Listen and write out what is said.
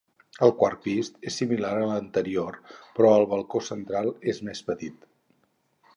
El quart pis és similar a l'anterior però el balcó central és més petit.